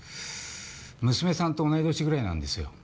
娘さんと同い年ぐらいなんですよ。